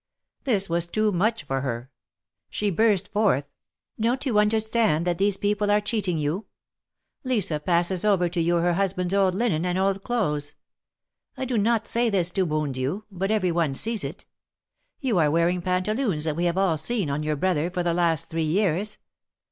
This was too much for her. She burst forth : Don't you understand that these people are cheating you? Lisa passes over to you her husband's old linen and old clothes. I do not say this to wound you, but every one sees it. You are wearing pantaloons that we have all seen on your brother for the last three years.